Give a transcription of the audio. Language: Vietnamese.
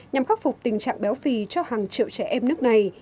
nhằm khắc phục tình trạng béo phì cho hàng triệu trẻ em nước này